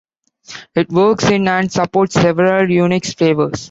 It works in and supports several Unix flavors.